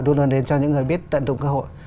luôn luôn đến cho những người biết tận dụng cơ hội